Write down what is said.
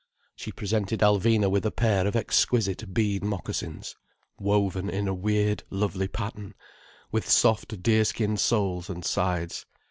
She presented Alvina with a pair of exquisite bead moccasins, woven in a weird, lovely pattern, with soft deerskin soles and sides.